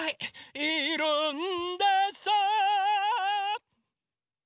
いるんです！